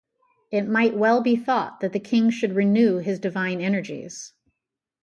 It might well be thought that the king should renew his divine energies.